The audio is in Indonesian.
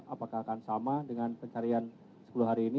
apakah akan sama dengan pencarian sepuluh hari ini